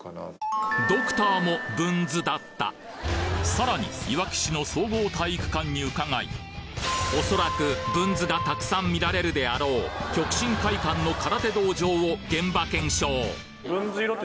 さらにいわき市の総合体育館に伺いおそらくぶんずがたくさん見られるであろう極真会館の空手道場を現場検証